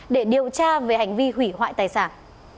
để điều tra về hành vi hủy hoại tài sản